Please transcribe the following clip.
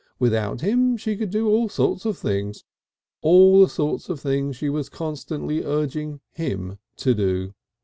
Without him, she could do all sorts of things all the sorts of things she was constantly urging him to do.